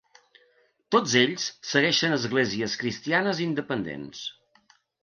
Tots ells segueixen esglésies cristianes independents.